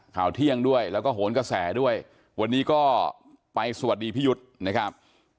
ข่าวเที่ยงด้วยแล้วก็โหนกระแสด้วยวันนี้ก็ไปสวัสดีพี่ยุทธ์นะครับ